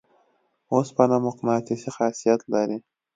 اوسپنه مقناطیسي خاصیت لري.